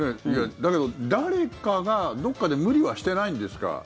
だけど、誰かがどこかで無理はしてないんですか？